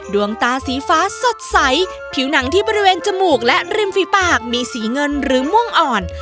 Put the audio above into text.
ดวงตาสีฟ้าสดใสผิวหนังที่บริเวณจมูกและริมฝีปากมีสีเงินหรือม่วงอ่อน